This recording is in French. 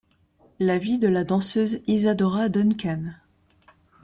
La vie de la danseuse Isadora Duncan.